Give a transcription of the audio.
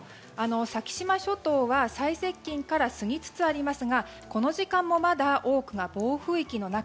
先島諸島は最接近から過ぎつつありますがこの時間もまだ多くが暴風域の中。